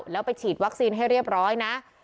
แล้วไปฉีดวัคซีนให้เรียบร้อยนะ